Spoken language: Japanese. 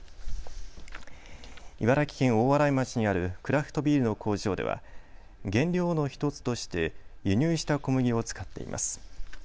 茨城県大洗町にあるクラフトビールの工場では原料の１つとして輸入した小麦を使っています。